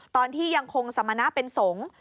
ตอนที่ยังคงสมณะเป็นสงฆ์